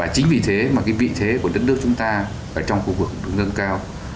chính vì thế vị thế của đất nước chúng ta trong khu vực cũng được nâng cao